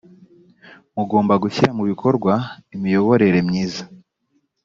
mugomba gushyira mu bikorwa imiyoborere myiza